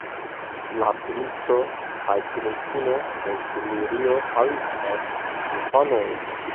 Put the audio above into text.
La princo kaj princino de Kimrio havis ses infanojn.